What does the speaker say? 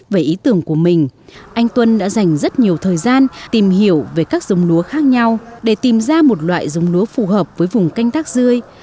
về ý tưởng của mình anh tuân đã dành rất nhiều thời gian tìm hiểu về các giống lúa khác nhau để tìm ra một loại giống lúa phù hợp với vùng canh tác dươi